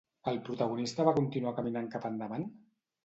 El protagonista va continuar caminant cap endavant?